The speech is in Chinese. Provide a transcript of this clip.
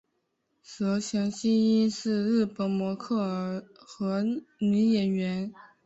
泽田汐音是日本模特儿和女演员。